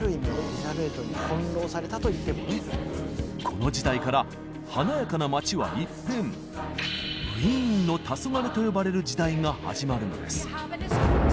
この時代から華やかな街は一変「ウィーンの黄昏」と呼ばれる時代が始まるのです。